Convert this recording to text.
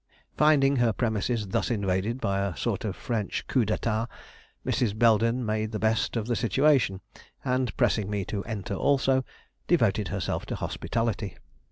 Finding her premises thus invaded by a sort of French coup d'etat, Mrs. Belden made the best of the situation, and pressing me to enter also, devoted herself to hospitality.